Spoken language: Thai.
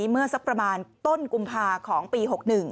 เมื่อสักประมาณต้นกุมภาของปี๖๑